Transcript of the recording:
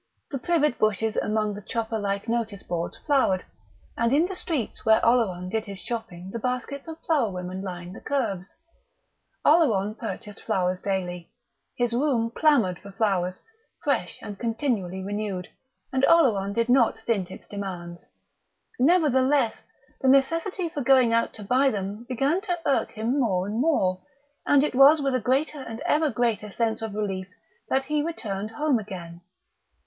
The privet bushes among the chopper like notice boards flowered, and in the streets where Oleron did his shopping the baskets of flower women lined the kerbs. Oleron purchased flowers daily; his room clamoured for flowers, fresh and continually renewed; and Oleron did not stint its demands. Nevertheless, the necessity for going out to buy them began to irk him more and more, and it was with a greater and ever greater sense of relief that he returned home again.